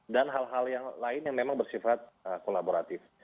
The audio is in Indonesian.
dan hal hal yang lain yang memang bersifat kolaboratif